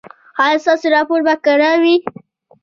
ایا ستاسو راپور به کره وي؟